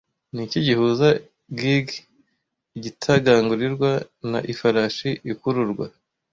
Niki gihuza Gig, Igitagangurirwa na Ifarashi ikururwa